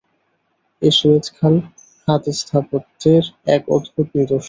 এ Suez খাল খাতস্থাপত্যের এক অদ্ভুত নিদর্শন।